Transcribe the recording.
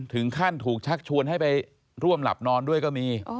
ถึงขั้นถูกชักชวนให้ไปร่วมหลับนอนด้วยก็มี